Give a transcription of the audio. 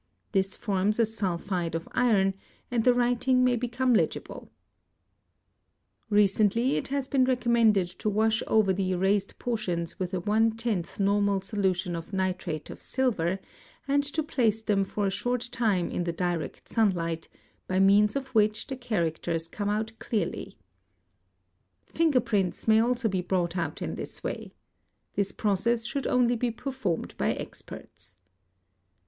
'This forms a sulphide of iron, and the writing may become legible. Recently it has been recommended to wash over the erased portions with a 1/10 normal solution of nitrate of silver, and to place them for a 'short time in the direct sunlight, by means of which the characters come mee eT ee ee ee ABM, Sei SIA LS SRL 3 A aed Li ae GT 774 OHEATING AND FRAUD out clearly. Finger prints may also be brought out in this way", — This process should only be performed by experts.